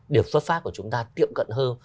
điểm xuất phát của chúng ta tiếp cận hơn